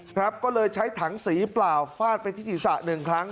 ครับก็เลยใช้ถังสีเปล่าฟาดไปที่ศีรษะ๑ครั้ง